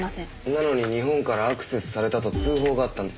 なのに日本からアクセスされたと通報があったんです。